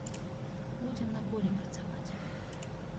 Будзем на полі працаваць.